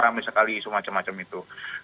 ramai sekali isu macam macam itu